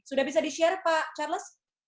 sudah bisa di share pak charles